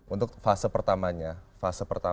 untuk fase pertamanya